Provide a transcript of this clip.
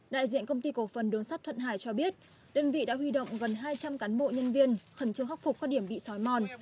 đại diện công ty cổ phần đường sắt thuận hải cho biết đơn vị đã huy động gần hai trăm linh cán bộ nhân viên khẩn trương khắc phục các điểm bị sói mòn